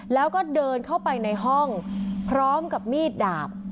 แล้วก็เดินเข้าไปในห้องพร้อมกับมีดดาบ